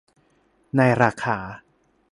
ในราคา